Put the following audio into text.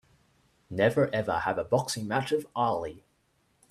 Never ever have a boxing match with Ali!